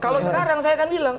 kalau sekarang saya akan bilang